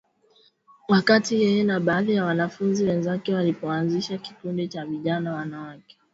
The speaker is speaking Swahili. wakati yeye na baadhi ya wanafunzi wenzake walipoanzisha kikundi cha Vijana Wanawake